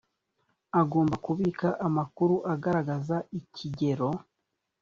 agomba kubika amakuru agaragaza ikigero